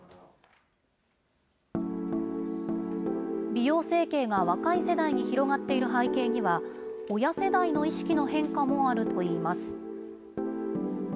美容整形が若い世代に広がっている背景には、親世代の意識の変化もあるといいます。